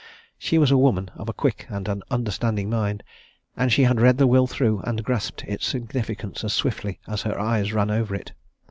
She was a woman of a quick and an understanding mind, and she had read the will through and grasped its significance as swiftly as her eyes ran over it.